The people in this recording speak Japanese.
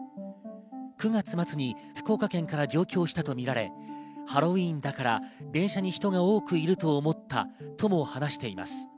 ９月末に福岡県から上京したとみられ、ハロウィーンだから電車に人が多くいると思ったとも話しています。